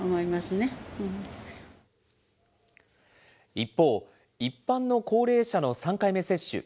一方、一般の高齢者の３回目接種。